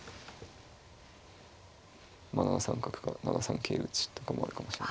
まあ７三角か７三桂打とかもあるかもしれない。